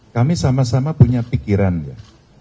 kami sama sama punya pikiran ya